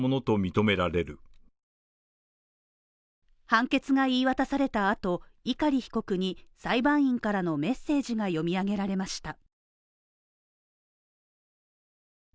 判決が言い渡されたあと、碇被告に裁判員からのメッセージが読み上げられました。